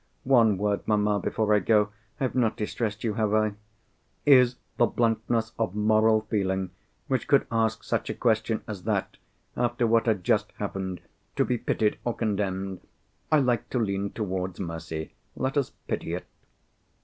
"One word, mamma, before I go. I have not distressed you, have I?" (Is the bluntness of moral feeling which could ask such a question as that, after what had just happened, to be pitied or condemned? I like to lean towards mercy. Let us pity it.)